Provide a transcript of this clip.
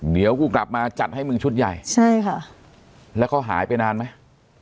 เดี๋ยวกูกลับมาจัดให้มึงชุดใหญ่ใช่ค่ะแล้วเขาหายไปนานไหม